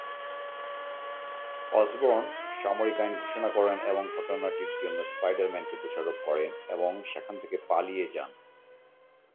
Osborne সামরিক আইন ঘোষণা করেন এবং ঘটনাটির জন্য স্পাইডার-ম্যান কে দোষারোপ করেন এবং সেখান থেকে পালিয়ে যান।